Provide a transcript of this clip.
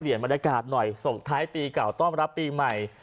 เปลี่ยนบรรยากาศหน่อยส่วนท้ายปีเก่าต้องรับปีใหม่